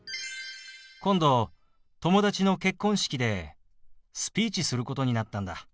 今度友達の結婚式でスピーチすることになったんだ。